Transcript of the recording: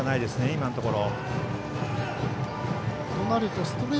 今のところ。